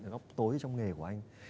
nó tối trong nghề của anh